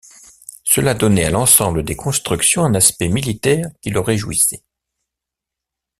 Cela donnait à l’ensemble des constructions un aspect militaire qui le réjouissait.